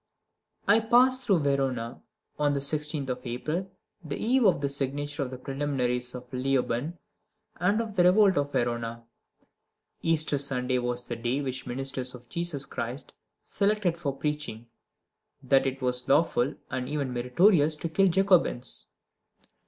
I passed through Verona on the 16th of April, the eve of the signature of the preliminaries of Leoben and of the revolt of Verona. Easter Sunday was the day which the ministers of Jesus Christ selected for preaching "that it was lawful, and even meritorious, to kill Jacobins."